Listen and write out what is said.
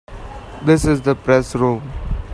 This is the Press Room.